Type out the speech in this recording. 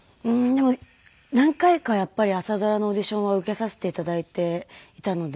でも何回かやっぱり朝ドラのオーディションは受けさせて頂いていたので。